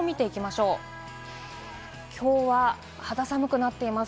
きょうは肌寒くなっています。